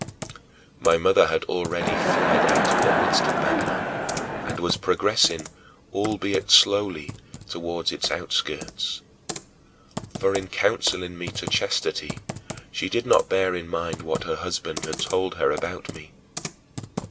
My mother had already fled out of the midst of Babylon and was progressing, albeit slowly, toward its outskirts. For in counseling me to chastity, she did not bear in mind what her husband had told her about me.